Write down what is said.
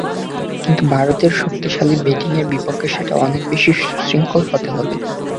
কিন্তু ভারতের শক্তিশালী ব্যাটিংয়ের বিপক্ষে সেটা অনেক বেশি সুশৃঙ্খল হতে হবে।